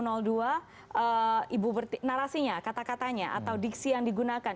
narasinya kata katanya atau diksi yang digunakan